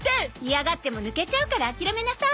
嫌がっても抜けちゃうから諦めなさい